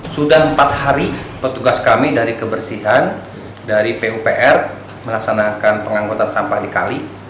sudah empat hari petugas kami dari kebersihan dari pupr melaksanakan pengangkutan sampah di kali